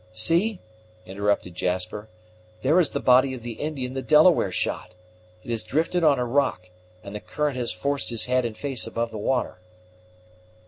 "See!" interrupted Jasper "there is the body of the Indian the Delaware shot! It has drifted on a rock, and the current has forced the head and face above the water."